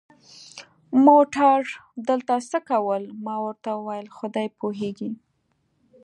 موټر دلته څه کول؟ ما ورته وویل: خدای پوهېږي.